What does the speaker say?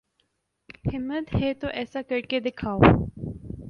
ہمت ہے تو ایسا کر کے دکھاؤ